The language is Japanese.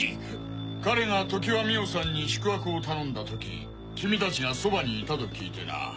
彼が常磐美緒さんに宿泊を頼んだ時君たちがそばにいたと聞いてな。